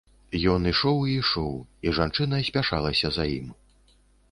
Ён ішоў і ішоў, і жанчына спяшалася за ім.